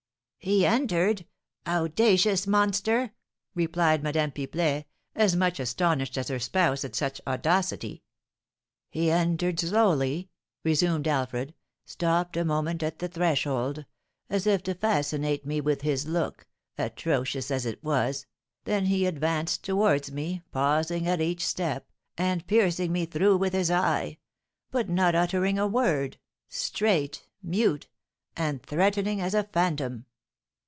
"He entered? Owdacious monster!" replied Madame Pipelet, as much astonished as her spouse at such audacity. "He entered slowly," resumed Alfred, "stopped a moment at the threshold, as if to fascinate me with his look, atrocious as it was, then he advanced towards me, pausing at each step, and piercing me through with his eye, but not uttering a word, straight, mute, and threatening as a phantom!"